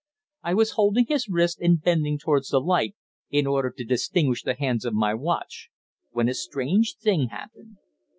I was holding his wrist and bending towards the light, in order to distinguish the hands of my watch, when a strange thing happened.